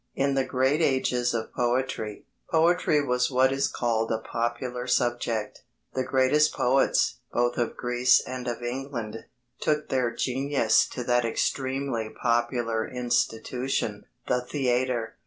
In the great ages of poetry, poetry was what is called a popular subject. The greatest poets, both of Greece and of England, took their genius to that extremely popular institution, the theatre.